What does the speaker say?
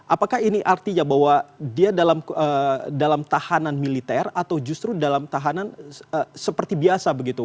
apakah ini artinya bahwa dia dalam tahanan militer atau justru dalam tahanan seperti biasa begitu